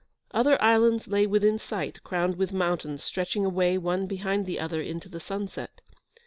Other islands lay within sight, crowned with mountains, stretching away, one behind the other, into the sunset.